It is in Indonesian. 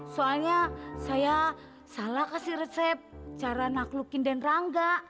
soalnya saya salah kasih resep cara naklukin dan rangga